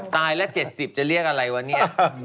ตายต่อ๗๐จะเรียกอะไรวะนนี่